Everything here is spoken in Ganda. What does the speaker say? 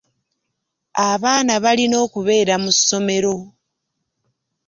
Abaana balina okubeera mu ssomero.